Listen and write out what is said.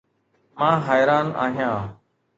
مان حيران آهيان